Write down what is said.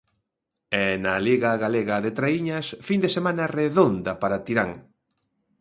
E na Liga Galega de Traiñas, fin de semana redonda para a Tirán.